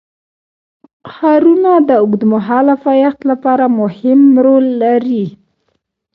ښارونه د اوږدمهاله پایښت لپاره مهم رول لري.